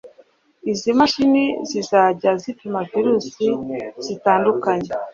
Izi mashini zizajya zipima Virusi zitandukanye